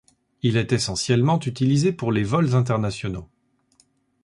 Il est essentiellement utilisé pour les vols internationaux.